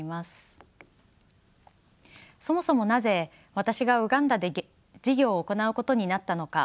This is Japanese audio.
そもそもなぜ私がウガンダで事業を行うことになったのか